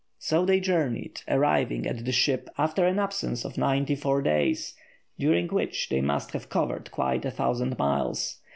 So they journeyed, arriving at the ship after an absence of ninety four days, during which they must have covered quite a thousand miles.